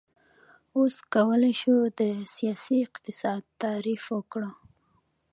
اوس کولی شو د سیاسي اقتصاد تعریف وکړو.